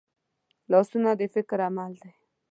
لاسونه د فکر عمل دي